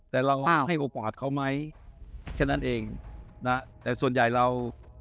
แต่เราให้โอกาสเขาไหมแค่นั้นเองนะแต่ส่วนใหญ่เรา